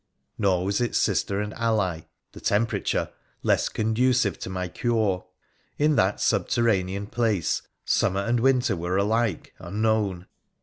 Nor was its sister and ally — the temperature — less conducive to my cure. In that subterranean place summer and winter were alike unknown.